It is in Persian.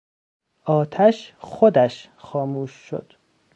آتش خودش خاموش شد.